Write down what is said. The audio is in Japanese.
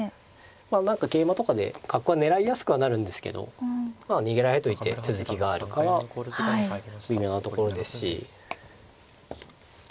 まあ何か桂馬とかで角は狙いやすくはなるんですけど逃げられといて続きがあるかは微妙なところですしま